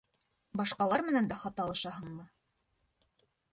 Башҡалар менән дә хат алышаһыңмы?